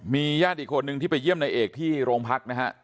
มีญาติอีกคนนึงที่ไปเยี่ยมนายเอกที่โรงพักนะฮะ